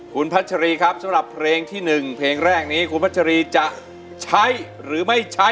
คุณพัชรีครับสำหรับเพลงที่๑เพลงแรกนี้คุณพัชรีจะใช้หรือไม่ใช้